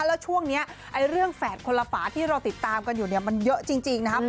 แล้วช่วงนี้เรื่องแฝดคนละฝาที่เราติดตามกันอยู่เนี่ยมันเยอะจริงนะครับ